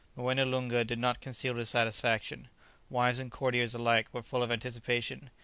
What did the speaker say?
Moené Loonga did not conceal his satisfaction. Wives and courtiers alike were full of anticipation.